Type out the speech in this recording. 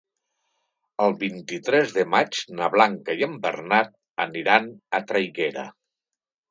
El vint-i-tres de maig na Blanca i en Bernat aniran a Traiguera.